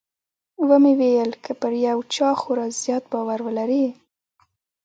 ومې ويل که پر يو چا خورا زيات باور ولرې.